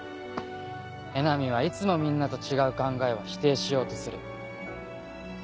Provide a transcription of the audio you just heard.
江波はいつもみんなと違う考えは否定しようとする。